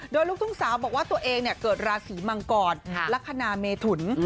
โดยลูกทุ่งสาวบอกว่าตัวเองเกิดราศีมังกรลักษณะเมถุน